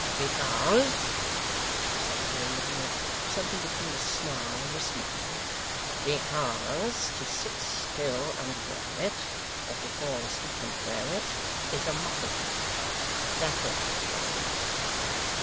'Because,' said the secretary, looking up with something between a snarl and a smile; 'because to sit still and wear it, or to fall asleep and wear it, is a mockery. That's all, friend.